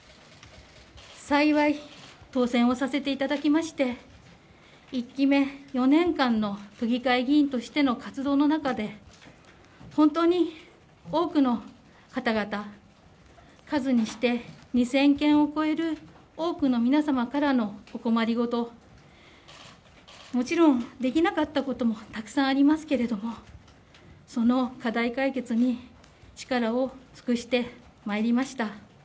幸い、当選をさせていただきまして１期目、４年間の都議会議員としての活動の中で本当に、多くの方々数にして、２０００件を超える多くの皆様からのお困りごと、もちろんできなかったこともたくさんありますけれども、その課題解決に力を尽くしてまいりました。